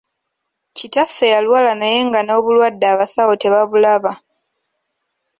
Kitaffe yalwala naye nga n’obulwadde abasawo tebabulaba.